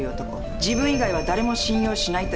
自分以外は誰も信用しないと言われてる。